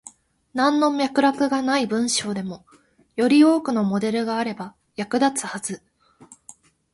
なんの脈絡がない文章でも、より多くのモデルがあれば役立つはず。